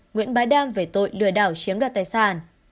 nguyễn bá đam về tội lừa đảo chiếm đoạt tài sản